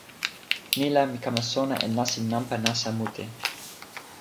ni la, mi kama sona e nasin nanpa nasa mute.